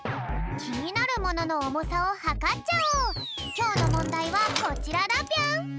きょうのもんだいはこちらだぴょん。